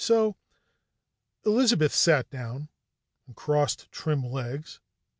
So uh " Elizabeth sat down and crossed trim legs.